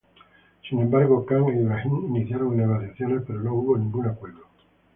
Sin embargo, Khan e Ibrahim iniciaron negociaciones, pero no hubo ningún acuerdo.